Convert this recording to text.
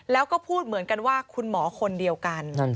แล้วก็พูดเหมือนกันว่าคุณหมอคนเดียวกัน